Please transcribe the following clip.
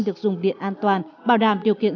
được dùng điện an toàn bảo đảm điều kiện